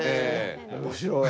面白い。